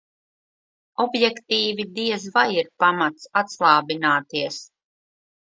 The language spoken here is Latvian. Objektīvi diez vai ir pamats atslābināties.